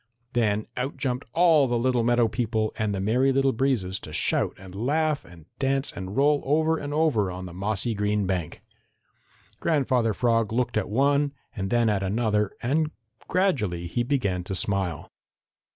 Then out jumped all the little meadow people and the Merry Little Breezes to shout and laugh and dance and roll over and over on the mossy green bank. Grandfather Frog looked at one and then at another and gradually he began to smile.